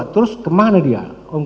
terus kemana dia